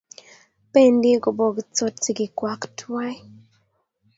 Bendi kobokitsot sigikwak tuwai